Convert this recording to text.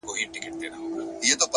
د عمل دوام خام استعداد بدلوي’